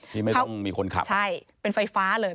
ที่ไม่ต้องมีคนขับใช่เป็นไฟฟ้าเลย